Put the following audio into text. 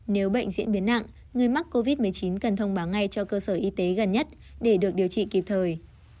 nếu bệnh diễn biến nặng người mắc covid một mươi chín cần thông báo ngay cho cơ sở y tế gần nhất để được điều trị kịp thời